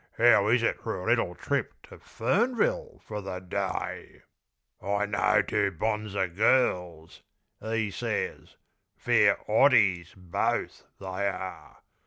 'Ow is it for a little trip To Fernville for the day? "I know two bonzer girls," 'e ses; "Fair 'otties, both, they are.